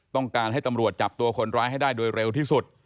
ต้องการให้ตำรวจจับตัวคนร้ายให้ได้โดยเร็วที่สุด